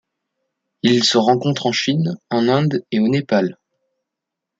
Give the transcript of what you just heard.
Il se rencontre en Chine, en Inde et au Népal.